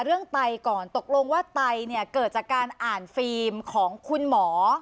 ไตก่อนตกลงว่าไตเนี่ยเกิดจากการอ่านฟิล์มของคุณหมอ